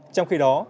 trong khi đó